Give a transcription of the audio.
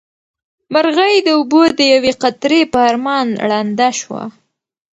مرغۍ د اوبو د یوې قطرې په ارمان ړنده شوه.